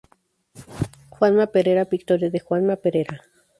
Juanma Perera, victoria de Juanma Perera.